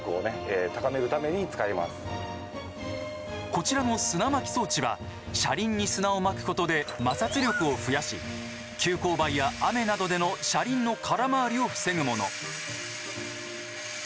こちらの砂まき装置は車輪に砂をまくことで摩擦力を増やし急勾配や雨などでの車輪の空回りを防ぐもの。